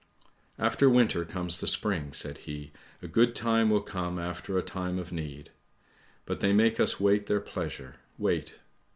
"' After winter comes the spring,' said he; 'a good time will come after a time of need; but they make us wait their pleasure, wait!